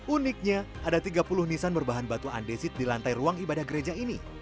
uniknya ada tiga puluh nisan berbahan batu andesit di lantai ruang ibadah gereja ini